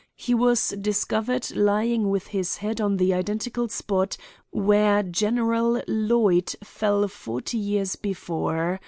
He was discovered lying with his head on the identical spot where General Lloyd fell forty years before.